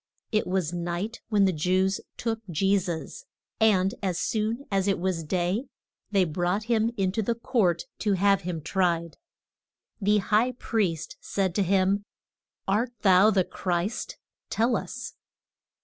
It was night when the Jews took Je sus, and as soon as it was day they brought him in to court to have him tried. The high priest said to him, Art thou the Christ? tell us.